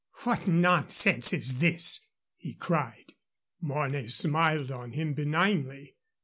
"What nonsense is this?" he cried. Mornay smiled on him benignly.